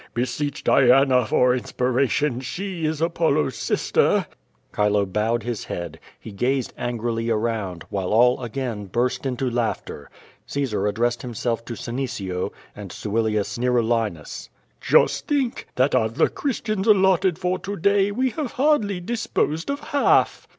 Beseech Diana for inspira tion, she is A2)ollo's sister/^ Chilo bowed his head. He gazed angrily around, when all again burst into laughter. Caesar addressed himself to Sene cio, and Suilius Xerulinus: "Just think, that of the Christians allotted for to day, we have hardly disposed of half."